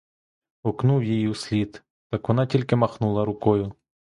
Гукнув їй услід, так вона тільки махнула рукою.